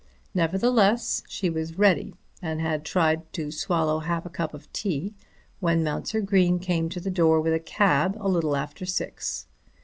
Nevertheless she was ready and had tried to swallow half a cup of tea, when Mounser Green came to the door with a cab a little after six.